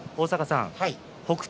北勝